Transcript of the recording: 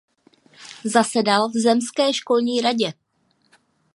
Zasedal v zemské školní radě.